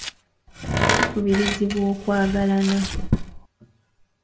Tukubirizibwa okwagalana.